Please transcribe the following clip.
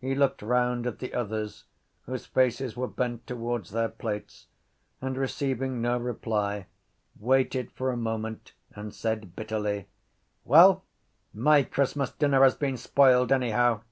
He looked round at the others whose faces were bent towards their plates and, receiving no reply, waited for a moment and said bitterly: —Well, my Christmas dinner has been spoiled anyhow.